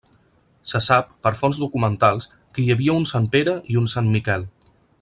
Se sap, per fonts documentals, que hi havia un Sant Pere i un Sant Miquel.